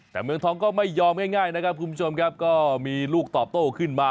แต่เมืองทองก็ไม่ยอมง่ายนะครับคุณผู้ชมครับก็มีลูกตอบโต้ขึ้นมา